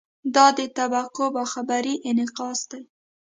دا د دې طبقو باخبرۍ انعکاس دی.